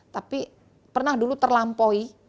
tapi pernah dulu terlampaui